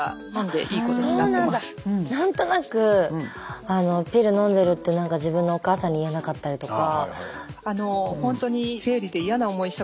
何となくピルのんでるって何か自分のお母さんに言えなかったりとか。